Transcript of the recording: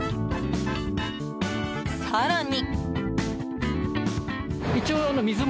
更に。